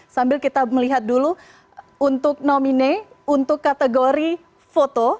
sambil kita melihat dulu untuk nomine untuk kategori foto